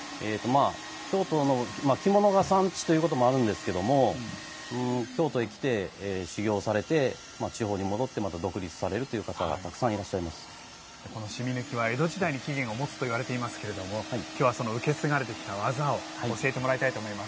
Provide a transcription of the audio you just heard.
京都が着物が産地ということもあるんですけども京都へ来て修業されて地方に戻ってまた独立されるという方が染み抜きは江戸時代に起源を持つといわれていますけれども今日はその受け継がれてきた技を教えてもらいたいと思います。